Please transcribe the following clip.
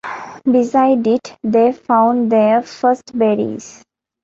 Beside it they found their first berries.